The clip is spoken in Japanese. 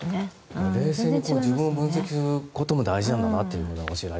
冷静に自分を分析することが大事なのかなと。